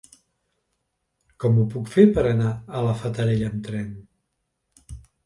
Com ho puc fer per anar a la Fatarella amb tren?